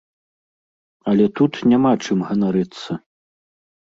Але тут няма чым ганарыцца.